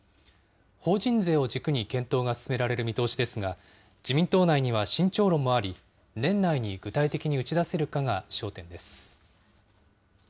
法人税を軸に検討が進められる見通しですが、自民党内には慎重論もあり、年内に具体的に打ち出せるかが焦点です。